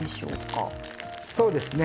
そうですね。